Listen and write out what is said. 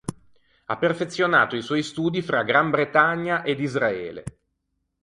Ha perfezionato i suoi studi fra Gran Bretagna ed Israele.